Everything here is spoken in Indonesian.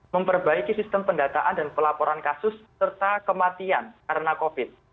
memperbaiki sistem pendataan dan pelaporan kasus serta kematian karena covid